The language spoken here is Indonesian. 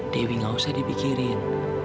dewi gak usah dibikirin